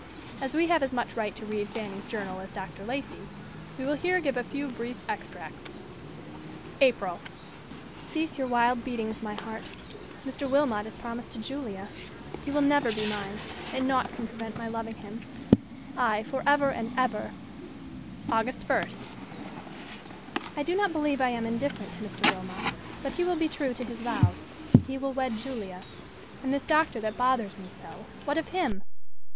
As we have as much right to read Fanny's journal as Dr. Lacey, we will here give a few brief extracts: April—"Cease your wild beatings, my heart. Mr. Wilmot is promised to Julia. He will never be mine, but nought can prevent my loving him; ay, forever and ever." August 1st—"I do not believe I am indifferent to Mr. Wilmot, but he will be true to his vows—he will wed Julia; and this doctor that bothers me so, what of him?